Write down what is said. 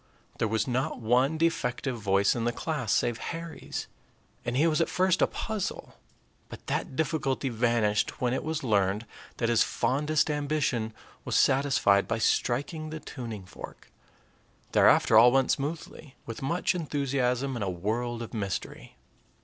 There was not one defective voice in the class save Harry's, and he was at first a puzzle; but that difficulty vanished when it was learned that his fondest ambition was satisfied by striking the tuning fork. Thereafter all went smoothly, with much enthusiasm and a world of mystery.